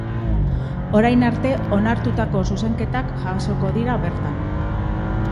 Orain arte onartutako zuzenketak jasoko dira bertan.